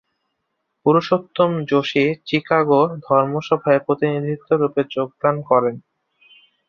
Purushottam Joshi Chicago ধর্মসভায় প্রতিনিধিরূপে যোগদান করেন।